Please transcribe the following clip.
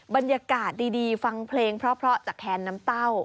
บรรยากาศดีฟังเพลงเพราะจากแคนน้ำเต้า